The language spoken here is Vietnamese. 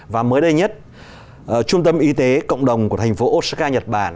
và mới đây nhất trung tâm y tế cộng đồng của thành phố osaka nhật bản